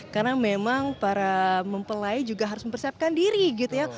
karena memang para mempelai juga harus mempersiapkan diri gitu ya